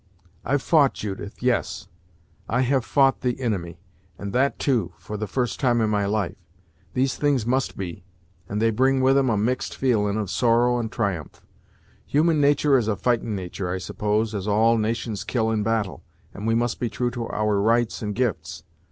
"I've fou't, Judith; yes, I have fou't the inimy, and that too, for the first time in my life. These things must be, and they bring with 'em a mixed feelin' of sorrow and triumph. Human natur' is a fightin' natur', I suppose, as all nations kill in battle, and we must be true to our rights and gifts.